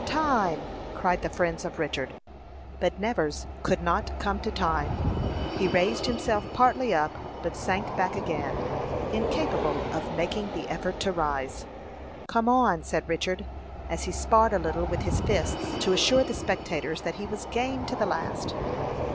"Time!" cried the friends of Richard. But Nevers could not "come to time." He raised himself partly up, but sank back again, incapable of making the effort to rise. "Come on!" said Richard, as he sparred a little with his fists to assure the spectators that he was "game" to the last.